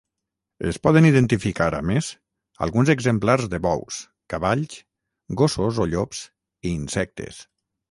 Es poden identificar, a més, alguns exemplars de bous, cavalls, gossos o llops i insectes.